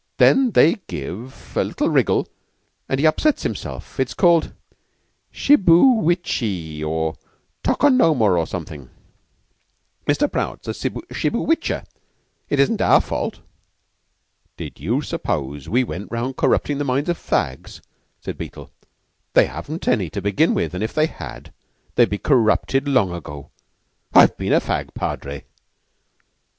Than they give a little wriggle, and he upsets himself. It's called shibbuwichee or tokonoma, or somethin'. Mr. Prout's a shibbuwicher. It isn't our fault." "Did you suppose we went round corruptin' the minds of the fags?" said Beetle. "They haven't any, to begin with; and if they had, they're corrupted long ago. I've been a fag, Padre."